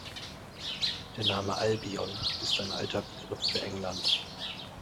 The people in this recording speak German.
Der Name Albion ist ein alter Begriff für England.